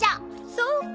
そうか。